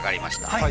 はい！